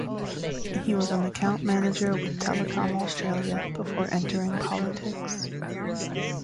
He was an account manager with Telecom Australia before entering politics.